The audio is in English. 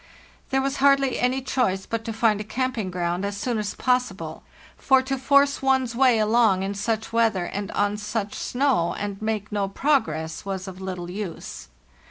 There was hardly any choice but to find a camping ground as soon as possible, for to force one's way along in such weather and on such snow, and make no progress, was of little use.